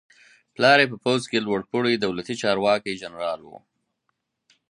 پلار یې په پوځ کې لوړ پوړی دولتي چارواکی جنرال و.